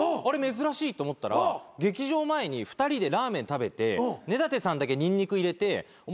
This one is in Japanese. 珍しいと思ったら劇場前に２人でラーメン食べて根建さんだけニンニク入れてお前